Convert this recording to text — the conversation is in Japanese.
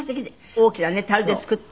大きなねタルで作って。